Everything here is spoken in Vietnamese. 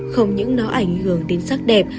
không những nó ảnh hưởng đến sắc đẹp